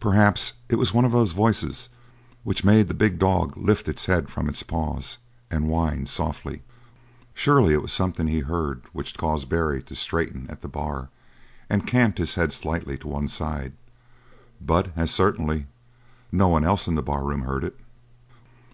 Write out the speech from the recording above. Perhaps it was one of those voices which made the big dog lift its head from its paws and whine softly! surely it was something he heard which caused Barry to straighten at the bar and cant his head slightly to one side but, as certainly, no one else in the barroom heard it.